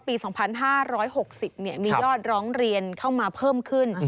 ปี๒๕๖๐มียอดร้องเรียนเข้ามาเพิ่มขึ้น